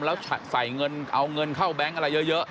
แล้วใส่เงินเอาเงินเข้าแบงค์อะไรเยอะ